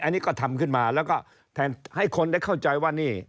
อันนี้ก็ทำขึ้นมาแล้วก็แทนให้คนได้เข้าใจว่านี่